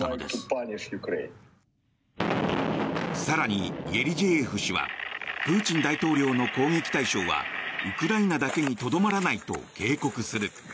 更にイェリジェーエフ氏はプーチン大統領の攻撃対象はウクライナだけにとどまらないと警告する。